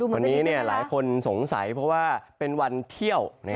วันนี้หลายคนสงสัยเพราะว่าเป็นวันเที่ยว